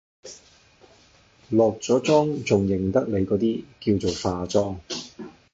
落咗妝仲認得你嗰啲，叫做化妝